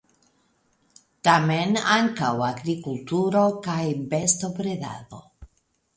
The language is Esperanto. Tamen ankaŭ agrikulturo kaj bestobredado.